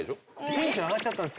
テンション上がったんです。